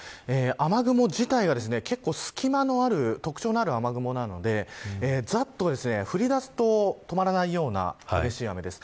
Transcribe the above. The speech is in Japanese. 雨雲自体は、隙間のある特徴のある雨雲なのでざっと降り出すと止まらないような激しい雨です。